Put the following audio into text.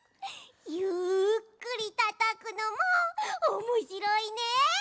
ゆっくりたたくのもおもしろいね！